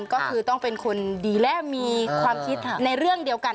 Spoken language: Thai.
ก็คือต้องเป็นคนดีและมีความคิดในเรื่องเดียวกัน